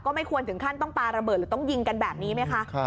ไม่ควรถึงขั้นต้องปลาระเบิดหรือต้องยิงกันแบบนี้ไหมคะ